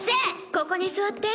ここに座って。